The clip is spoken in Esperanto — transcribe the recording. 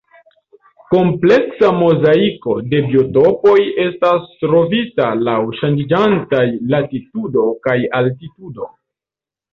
Kompleksa mozaiko de biotopoj estas trovita laŭ ŝanĝiĝantaj latitudo kaj altitudo.